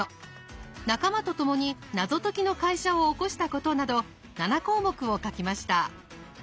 仲間と共に謎解きの会社を興したことなど７項目を書きました。